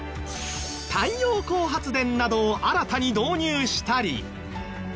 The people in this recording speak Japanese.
太陽光発電などを新たに導入したり。